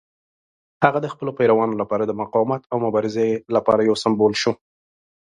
هغه د خپلو پیروانو لپاره د مقاومت او مبارزې لپاره یو سمبول شو.